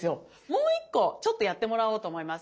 もう１個ちょっとやってもらおうと思います。